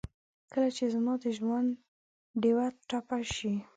کله چې زما دژوندډېوه ټپه شي